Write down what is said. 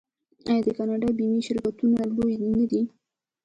آیا د کاناډا بیمې شرکتونه لوی نه دي؟